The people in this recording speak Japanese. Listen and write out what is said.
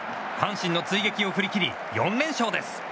阪神の追撃を振り切り４連勝です。